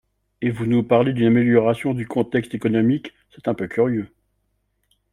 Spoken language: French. Et vous nous parlez d’une amélioration du contexte économique, c’est un peu curieux